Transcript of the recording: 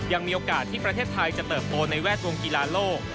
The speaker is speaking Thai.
ยังมีโอกาสที่ประเทศไทยจะเติบโตในแวดวงกีฬาโลก